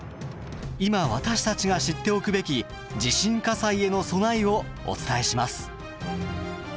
今私たちが知っておくべき地震火災への備えをお伝えします！